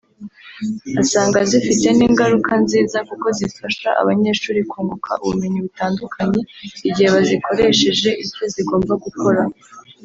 asanga zifite n’ingaruka nziza kuko zifasha abanyeshuri kunguka ubumenyi butandukanye igihe bazikoresheje icyo zigomba gukora